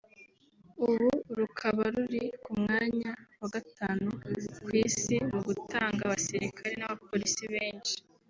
ubu rukaba ruri ku mwanya wa gatanu ku Isi mu gutanga abasirikare n’abapolisi benshi